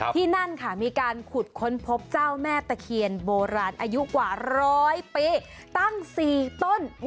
ที่นั่นค่ะมีการขุดค้นพบเจ้าแม่ตะเคียนโบราณอายุกว่าร้อยปีตั้ง๔ต้น